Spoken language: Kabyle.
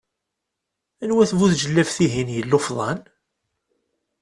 Anwa-t bu tjellabt-ihin yellufḍan?